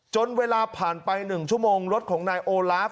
เวลาผ่านไป๑ชั่วโมงรถของนายโอลาฟ